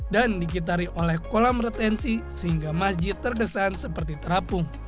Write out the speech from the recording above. dan dikitari oleh kolam retensi sehingga masjid terkesan seperti terapung